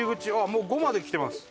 もう５まで来てます。